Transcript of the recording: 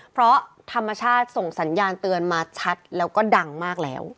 เพราะธรรมชาติส่งสัญญาณเตือนมาชัดแล้วก็ดังมากแล้ว